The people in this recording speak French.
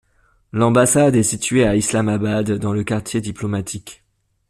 L'ambassade est située à Islamabad, dans le quartier diplomatique.